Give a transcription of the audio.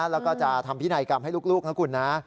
แล้วก็จะทำพินัยกรรมให้ลูกนะคุณนะ